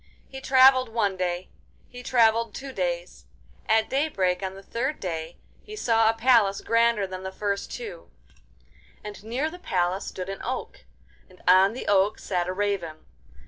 He travelled one day, he travelled two days; at daybreak on the third day he saw a palace grander than the first two, and near the palace stood an oak, and on the oak sat a raven.